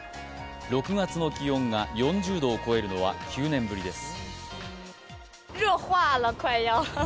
６月の気温が４０度を超えるのは９年ぶりです。